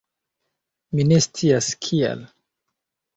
Mi ne scias kial.